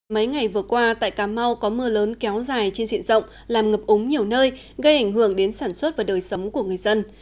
mấy ngày vừa qua tại cà mau có mưa lớn kéo dài trên diện rộng làm ngập ống nhiều nơi gây ảnh hưởng đến sản xuất và đời sống của người dân